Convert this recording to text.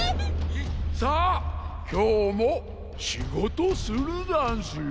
さあきょうもしごとするざんすよ！